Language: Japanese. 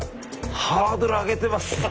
ハードル上げてます。